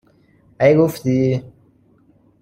اگه گفتی؟